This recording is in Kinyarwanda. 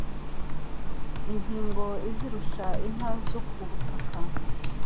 Ingingo izirusha inka zo ku butaka